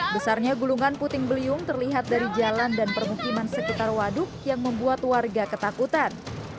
besarnya gulungan puting beliung terlihat dari jalan dan permukiman sekitar waduk yang membuat warga ketakutan